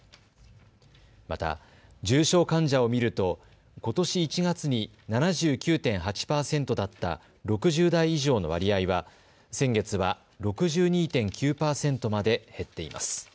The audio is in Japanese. また重症患者を見るとことし１月に７９．８％だった６０代以上の割合は先月は６２．９％まで減っています。